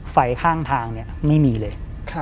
ไฟข้างทางไม่มีเลย